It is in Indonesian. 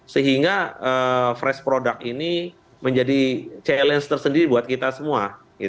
sehingga fresh product ini menjadi challenge tersendiri buat kita semua